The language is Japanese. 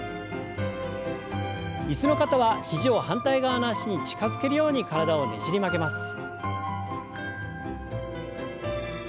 椅子の方は肘を反対側の脚に近づけるように体をねじり曲げます。